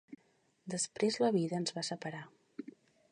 Després la vida ens va separar.